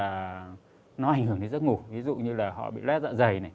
không ảnh hưởng đến giấc ngủ ví dụ như là họ bị lét dạ dày này